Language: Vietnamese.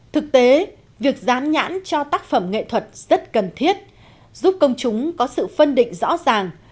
thực tế việc dán nhãn cho tác phẩm nghệ thuật rất cần thiết giúp công chúng có sự phân định rõ ràng